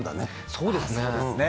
そうですね。